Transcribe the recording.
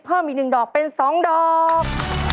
เพิ่มอีกหนึ่งดอกเป็นสองดอก